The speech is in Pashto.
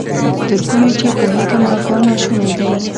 تر کومه چې پوهېږم، دا کار نا شونی دی.